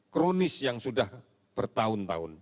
kronis yang sudah bertahun tahun